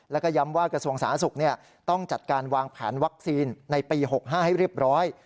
แล้วก็ย้ำว่ากระทรวงสาธารณสุขต้องจัดการวางแผนวัคซีนในปี๖๕ให้เรียบร้อย